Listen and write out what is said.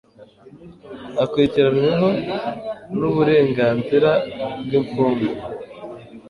akurikiranyweho n uburenganzira bw imfungwa